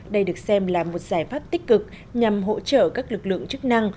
đây được xem là một giải pháp tích cực nhằm hỗ trợ các lực lượng chức năng